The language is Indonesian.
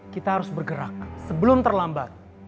kita harus bergerak sebelum terlambat